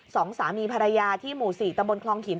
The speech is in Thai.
สองสามีภรรยาที่หมู่๔ตำบลคลองหิน